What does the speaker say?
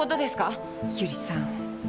由里さん。